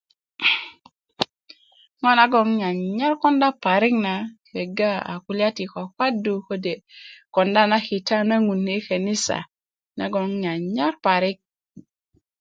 ŋo nagon 'n nyanyar konda parik na kega a kulya ti kwakwadu kode konda na kita na ŋun i kenisa nagon 'n nyanyar parik